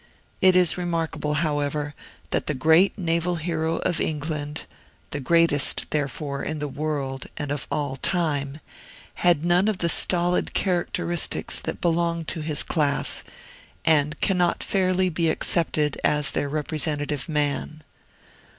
It is remarkable, however, that the great naval hero of England the greatest, therefore, in the world, and of all time had none of the stolid characteristics that belong to his class, and cannot fairly be accepted as their representative man.